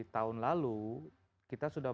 tahun lalu kita sudah